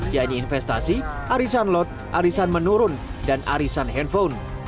yaitu investasi arisan lot arisan menurun dan arisan handphone